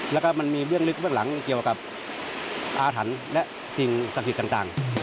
แล้วก็มันมีเบื้องลึกเบื้องหลังเกี่ยวกับอาถรรพ์และสิ่งศักดิ์สิทธิ์ต่าง